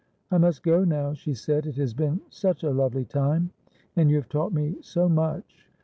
"I must go now," she said; "it has been such a lovely time, and you have taught me so much.